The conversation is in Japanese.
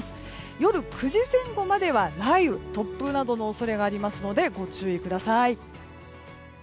夜９時前後までは雷雨突風などの恐れがありますのでご注意ください。